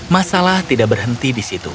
masalah tidak berhenti di situ